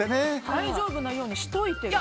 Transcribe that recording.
大丈夫なようにしておいてる？